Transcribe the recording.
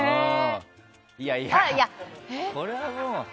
いやいや、これはもう。